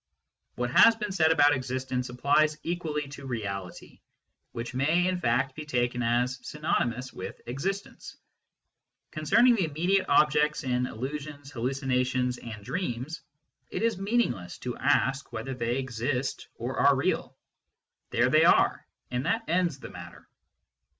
What has been said about " existence " applies equally to " reality," which may, in fact, be taken as synonymous with " existence." Concerning the immediate objects in illusions, hallucinations, and dreams, it is meaningless to ask whether they " exist " or are " real." There they are, and that ends the matter.